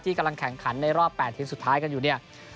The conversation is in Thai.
กำลังแข่งขันในรอบ๘ทีมสุดท้ายกันอยู่เนี่ย